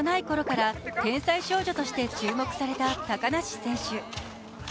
幼いころから天才少女として注目された高梨選手。